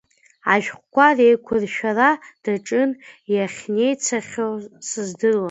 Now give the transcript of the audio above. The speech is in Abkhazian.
Ашәҟәқәа реиқәыршәара даҿын, иахьнеицахьоу сыздыруам.